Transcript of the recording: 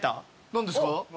何ですか？